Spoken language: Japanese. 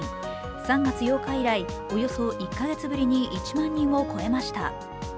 ３月８日以来およそ１か月ぶりに１万人を超えました。